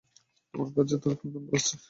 তোমার কাছে তার ফোন নাম্বার আছে?